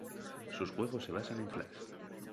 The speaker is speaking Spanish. Sus juegos se basan en Flash.